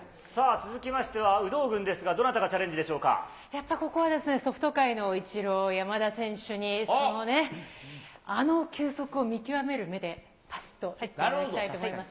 続きましては、有働軍ですが、やっぱここは、ソフト界のイチロー、山田選手に、そのね、あの球速を見極める目で、ばしっとやっていただきたいと思います。